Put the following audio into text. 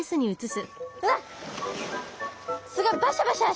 すごいバシャバシャ。